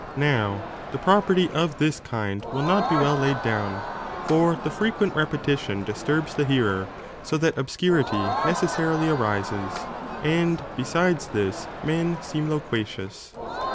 Now the property of this kind will not be well laid down, for the frequent repetition disturbs the hearer, so that obscurity necessarily arises, and besides this men seem loquacious.